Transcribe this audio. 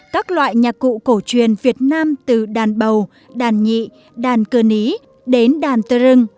các loại nhạc cụ cổ truyền việt nam từ đàn bầu đàn nhị đàn cơ ý đến đàn tơ rừng